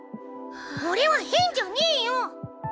「俺は変じゃねえよ」